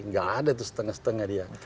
nggak ada tuh setengah setengah dia